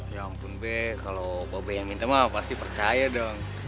ya ampun be kalau mba be yang minta maaf pasti percaya dong